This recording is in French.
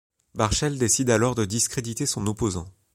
Barschel décide alors de discréditer son opposant.